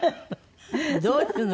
どうするの？